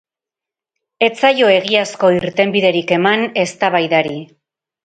Ez zaio egiazko irtenbiderik eman eztabaidari.